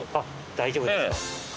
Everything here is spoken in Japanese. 大丈夫ですか？